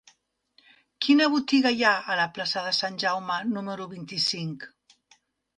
Quina botiga hi ha a la plaça de Sant Jaume número vint-i-cinc?